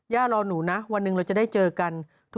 รอหนูนะวันหนึ่งเราจะได้เจอกัน